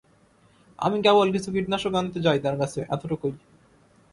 আমি কেবল কিছু কীটনাশক আনতে যাই তার কাছে, এতটুকুই!